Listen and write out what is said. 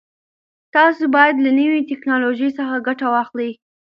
تاسو باید له نوي ټکنالوژۍ څخه ګټه واخلئ.